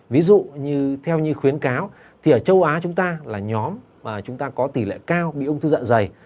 ví dụ như theo như khuyến cáo thì ở châu á chúng ta là nhóm mà chúng ta có tỷ lệ cao bị ung thư dạ dày